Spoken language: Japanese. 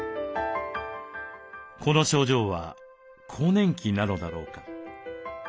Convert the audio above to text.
この症状は更年期なのだろうか？